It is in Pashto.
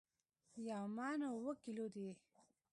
یو من اوو کیلو دي